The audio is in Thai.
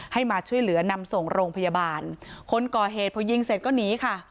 มาช่วยเหลือนำส่งโรงพยาบาลคนก่อเหตุพอยิงเสร็จก็หนีค่ะ